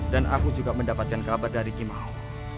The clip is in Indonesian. dan aku juga mendapatkan kabar dari kimau